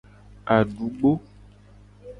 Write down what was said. Adugbo.